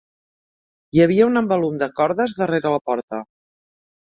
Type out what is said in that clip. Hi havia un embalum de cordes darrere la porta.